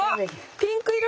ピンク色。